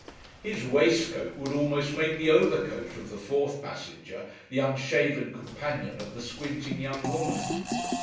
His waistcoat would almost make the overcoat of the fourth passenger, the unshaven companion of the squinting young woman.